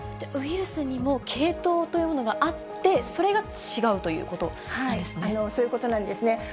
ウイルスにも系統というものがあって、それが違うということそういうことなんですね。